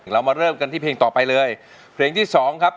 เรามาเริ่มกันที่เพลงต่อไปเลยเพลงที่สองครับ